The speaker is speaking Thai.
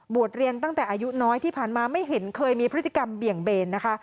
เรียนตั้งแต่อายุน้อยที่ผ่านมาไม่เห็นเคยมีพฤติกรรมเบี่ยงเบนนะคะ